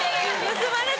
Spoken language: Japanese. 盗まれた！